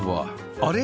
あれ？